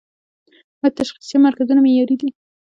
آیا تشخیصیه مرکزونه معیاري دي؟